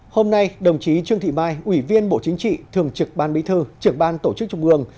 hôm nay đồng chí trương thị mai ủy viên bộ chính trị thường trực ban bí thư trưởng ban tổ chức trung ương